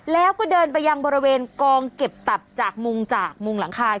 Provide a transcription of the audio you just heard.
แล้วเดินไปอย่างบริเวณกองเก็บตับจากมุงหน้าคราช